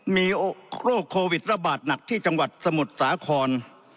มีโรคโควิดระบาดหนักที่จังหวัดสมุทรสาคร